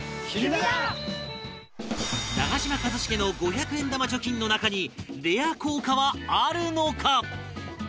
長嶋一茂の五百円玉貯金の中にレア硬貨はあるのか？